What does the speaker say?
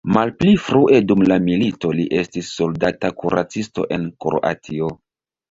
Malpli frue dum la milito li estis soldata kuracisto en Kroatio.